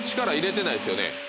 力入れてないですよね。